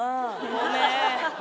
ごめん。